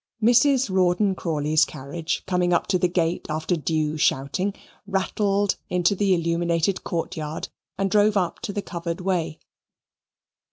Mrs. Rawdon Crawley's carriage, coming up to the gate after due shouting, rattled into the illuminated court yard and drove up to the covered way.